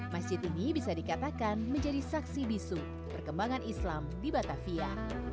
masjid ini bisa dikatakan menjadi saksi bisu perkembangan islam di batavia